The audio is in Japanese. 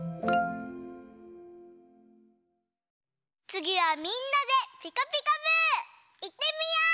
つぎはみんなで「ピカピカブ！」いってみよう！